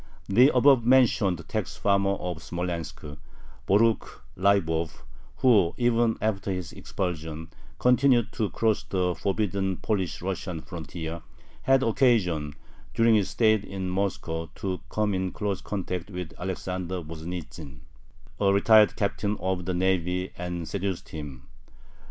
The above mentioned tax farmer of Smolensk, Borukh Leibov, who, even after his expulsion, continued to cross the forbidden Polish Russian frontier, had occasion, during his stay in Moscow, to come in close contact with Alexander Voznitzin, a retired captain of the navy, and "seduced him."